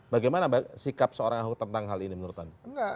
bagaimana sikap seorang ahok tentang hal ini menurut anda